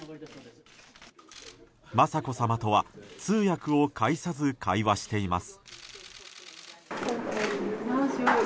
雅子さまとは通訳を介さず会話しています。